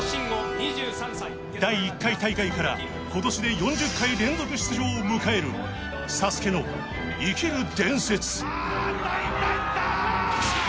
２３歳第１回大会から今年で４０回連続出場を迎えるＳＡＳＵＫＥの生きる伝説